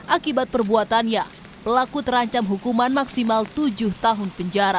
akibat perbuatannya pelaku terancam hukuman maksimal tujuh tahun penjara